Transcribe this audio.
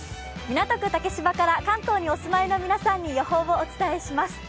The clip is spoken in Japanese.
港区竹芝から関東にお住まいの皆さんに予報をお伝えします。